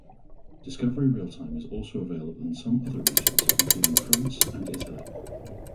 Discovery Real Time is also available in some other regions, including France and Italy.